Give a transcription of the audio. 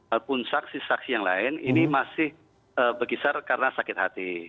ataupun saksi saksi yang lain ini masih berkisar karena sakit hati